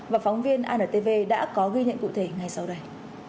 và phóng viên antv đã có ghi nhận cụ thể ngay sau đây